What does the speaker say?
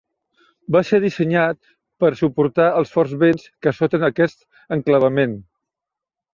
Va ser dissenyat per suportar els forts vents que assoten aquest enclavament.